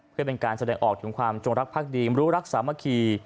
เพื่อเป็นการแสดงออกถึงความจงรักภักดีรู้รักสามัคคี